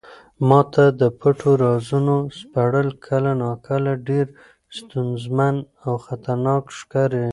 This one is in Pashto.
ما ته د پټو رازونو سپړل کله ناکله ډېر ستونزمن او خطرناک ښکاري.